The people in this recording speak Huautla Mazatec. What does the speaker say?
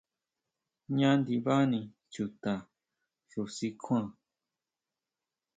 Jñá ndibani chuta xu si kjuan.